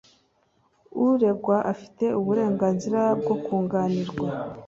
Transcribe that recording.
Uregwa afite uburenganzira bwo kunganirwa